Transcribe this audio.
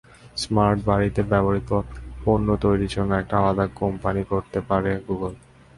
Smart বাড়িতে ব্যবহৃত পণ্য তৈরির জন্য একটি আলাদা কোম্পানি করতে পারে গুগল।